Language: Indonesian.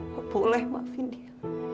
kamu boleh maafin dia